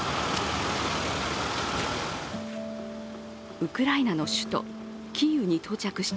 ウクライナの首都キーウに到着した